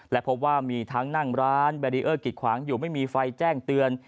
และพบว่ามีทั้งนั่งร้านแบรีเออร์กิดขวางอยู่ไม่มีไฟแจ้งเตือน